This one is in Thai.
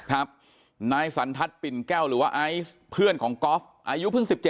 นายสันทัศน์ปิ่นแก้วหรือว่าไอซ์เพื่อนของกอล์ฟอายุเพิ่ง๑๗